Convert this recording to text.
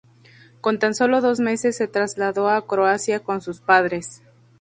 Con tan solo dos meses se trasladó a Croacia con sus padres.